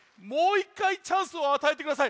チャンスをあたえてください。